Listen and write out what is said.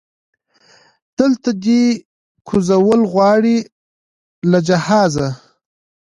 دلته دی کوزول غواړي له جهازه